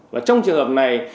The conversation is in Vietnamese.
và trong trường hợp này